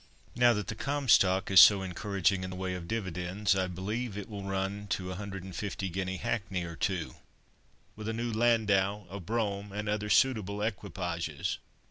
Now that the 'Comstock' is so encouraging in the way of dividends, I believe it will run to a hundred and fifty guinea hackney or two—with a new landau, a brougham, and other suitable equipages."